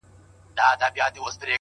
بيزو وان هم يو ځاى كښينستى حيران وو٫